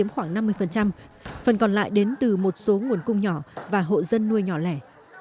khoảng năm mươi phần còn lại đến từ một số nguồn cung nhỏ và hộ dân nuôi nhỏ lẻ